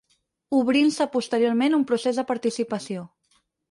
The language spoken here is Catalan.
Obrint-se posteriorment un procés de participació.